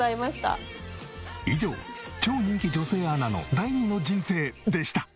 以上超人気女性アナの第２の人生でした。